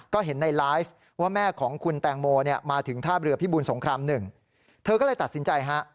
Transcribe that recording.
ก็เห็นในไลฟ์ว่าแม่ของคุณแตงโมเนี่ยมาถึงท่าเรือพิบูลสงครามหนึ่งเธอก็เลยตัดสินใจฮะ